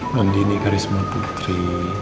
mandi nih karisma putri